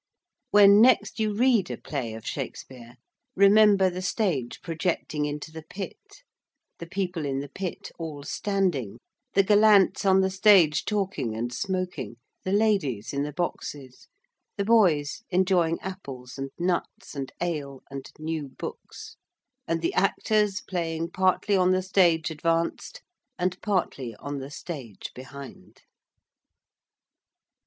When next you read a play of Shakespeare, remember the stage projecting into the pit; the people in the pit all standing, the gallants on the stage talking and smoking, the ladies in the boxes, the boys enjoying apples and nuts and ale and new books, and the actors playing partly on the stage advanced and partly on the stage behind.